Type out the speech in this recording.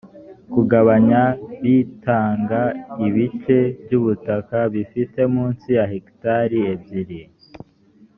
kugabanya bitanga ibice by’ubutaka bifite munsi ya hegitari ebyiri